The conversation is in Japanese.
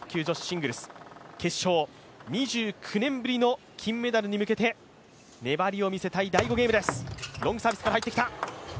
決勝、２９年ぶりの金メダルに向けて、粘りを見せたい第５ゲームです。